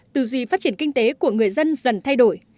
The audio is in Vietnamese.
tư duy phát triển kinh tế của người dân dần thay đổi